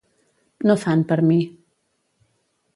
No fan per mi.